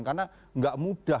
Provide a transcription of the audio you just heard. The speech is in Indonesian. karena tidak mudah